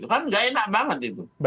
kan gak enak banget itu